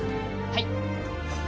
はい。